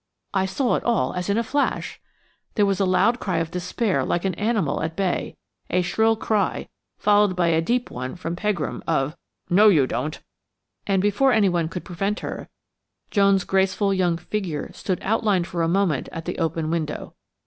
I saw it all as in a flash! There was a loud cry of despair like an animal at bay, a shrill cry, followed by a deep one from Pegram of "No, you don't," and before anyone could prevent her, Joan's graceful young figure stood outlined for a short moment at the open window.